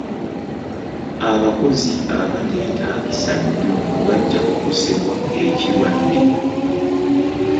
Abakozi abatetaagisa nnyo bajja kukosebwa ekirwadde.